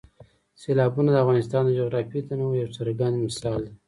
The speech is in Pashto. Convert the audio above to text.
سیلابونه د افغانستان د جغرافیوي تنوع یو څرګند مثال دی.